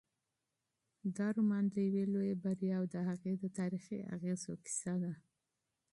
دا رومان د یوې لویې بریا او د هغې د تاریخي اغېزو کیسه ده.